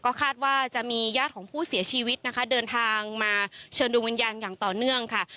ก็คาดว่าจะมีญาติของผู้เสียชีวิตนะคะเดินทางมาเชิญดวงวิญญาณอย่างต่อเนื่องค่ะ